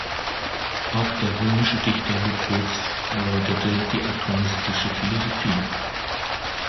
Auch der römische Dichter Lukrez erläuterte die atomistische Philosophie.